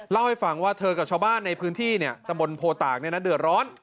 เล่าให้ฟังว่าเธอกับชาวบ้านในพื้นที่ตำบลโพตากเดือดร้อน